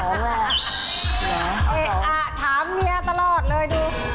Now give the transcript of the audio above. เอ๊ะอ่ะถามเมียตลอดเลยดู